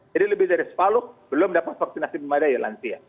jadi lebih dari sepalu belum dapat vaksinasi memadai lansia